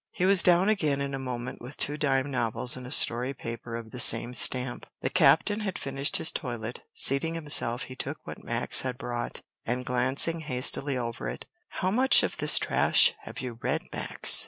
He was down again in a moment with two dime novels and a story paper of the same stamp. The captain had finished his toilet. Seating himself he took what Max had brought, and glancing hastily over it, "How much of this trash have you read, Max?"